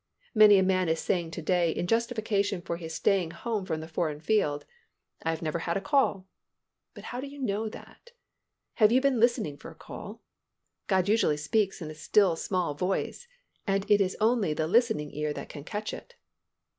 Many a man is saying to day in justification for his staying home from the foreign field, "I have never had a call." But how do you know that? Have you been listening for a call? God usually speaks in a still small voice and it is only the listening ear that can catch it.